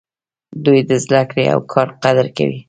دوی د زده کړې او کار قدر کوي.